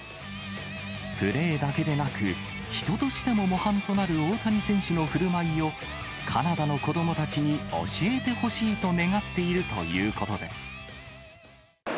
プレーだけでなく、人としても模範となる大谷選手のふるまいを、カナダの子どもたちに教えてほしいと願っているということです。